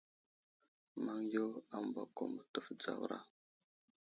Maŋ yo ambako mətəf dzawra.